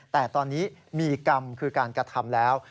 แต่ตอนนี้มีกรรมคือการกระทำแล้ว